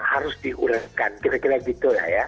harus diulangkan kira kira gitu ya